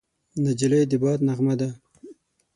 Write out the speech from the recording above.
نجلۍ د باد نغمه ده.